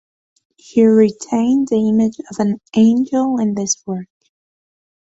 She retained the image of an angel in this work.